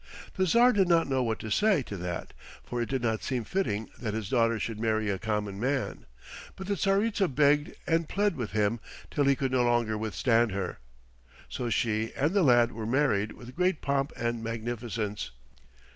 The Tsar did not know what to say to that, for it did not seem fitting that his daughter should marry a common man. But the Tsaritsa begged and plead with him till he could no longer withstand her. So she and the lad were married with great pomp and magnificence.